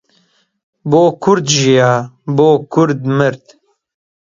بۆ کورد ژیا، بۆ کورد مرد